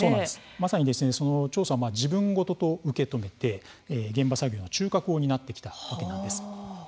まさに調査を自分ごとと受け止めて現場作業の中核を担ってきたわけなんです。